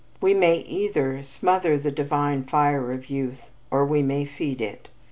We may either smother the divine fire of youth or we may feed it.